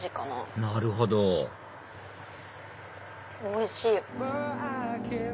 なるほどおいしい！